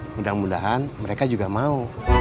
mudah mudahan mereka juga mau